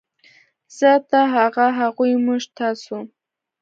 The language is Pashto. زۀ ، تۀ ، هغه ، هغوی ، موږ ، تاسو